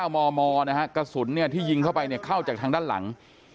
๙มมกระสุนที่ยิงเข้าไปเข้าจากทางด้านหลัง